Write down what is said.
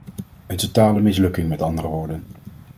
Een totale mislukking met andere woorden.